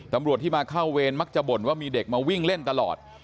ตำรวจที่มาเข้าเวรมักจะบ่นว่ามีเด็กมาวิ่งเล่นตลอด